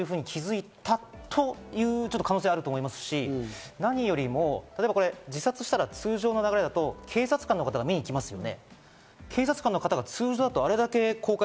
これ息子じゃないか？と気づいたという可能性があると思いますし、何よりも自殺したら、通常の流れだと警察官の方が見に来ますよね。